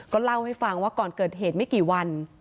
เล่าให้ฟังว่าก่อนเกิดเหตุไม่กี่วัน